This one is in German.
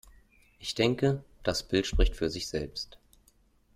Ich denke, das Bild spricht für sich selbst.